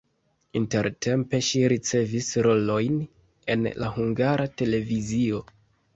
Intertempe ŝi ricevis rolojn en la Hungara Televizio.